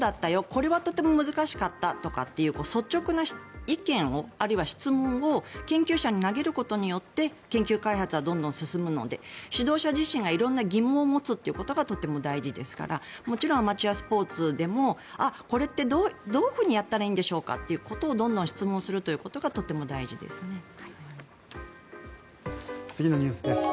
これはとても難しかったとかっていう率直な意見を、あるいは質問を研究者に投げることによって研究開発はどんどん進むので指導者自身が色んな疑問を持つということがとても大事ですからもちろんアマチュアスポーツでもどういうふうにやったらいいんでしょうかと質問することがとても大事ですね。